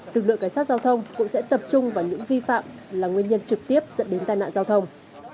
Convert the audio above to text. lực lượng cảnh sát giao thông cũng sẽ tập trung vào những vi phạm là nguyên nhân trực tiếp dẫn đến tai nạn giao thông